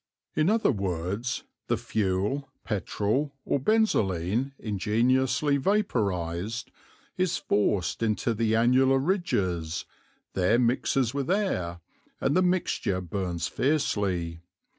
In other words the fuel, petrol, or benzolene ingeniously vaporized, is forced into the annular ridges, there mixes with air, and the mixture burns fiercely.